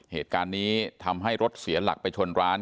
เหตุการณ์นี้ทำให้รถเสียหลักไปชนร้าน